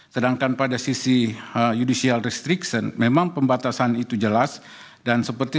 sedangkan pada sisi judicial restriction memang pembatasan itu jelas dan seperti